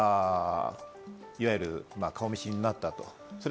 いわゆる顔見知りになったと。